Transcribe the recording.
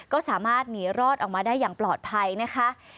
ก็สามารถหนีรอดออกมาได้อย่างปลอดภัยนะคะ